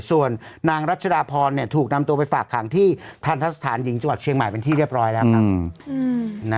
ส่วนนางรัชดาพรถูกนำตัวไปฝากขังที่ทันทะสถานหญิงจังหวัดเชียงใหม่เป็นที่เรียบร้อยแล้วครับ